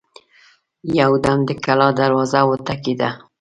يودم د کلا دروازه وټکېده.